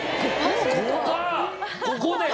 ここで？